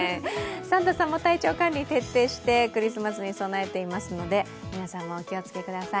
サンタさんも体調管理徹底してクリスマスに備えていますので皆さんもお気をつけください。